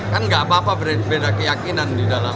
kan gak apa apa beda keyakinan di dalam